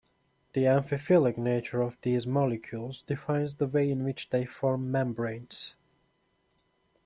The amphiphilic nature of these molecules defines the way in which they form membranes.